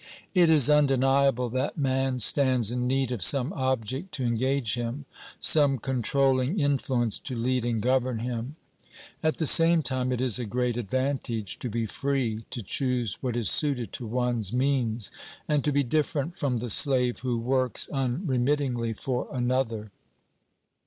It is undeniable that man stands in need of some object to engage him, some controlling influence to lead and govern him. At the same time it is a great advantage to be free, to choose what is suited to one's 31 8 OBERMANN means, and to be different from the slave who works un remittingly for another.